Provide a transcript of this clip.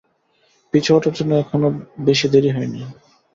পিছু হটার জন্য এখনো বেশি দেরি হয়নি।